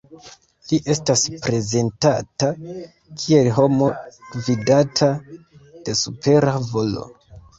Li estas prezentata kiel homo gvidata de supera volo.